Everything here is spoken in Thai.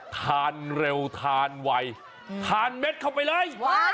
ทานเร็วทานไวทานเม็ดเข้าไปเลย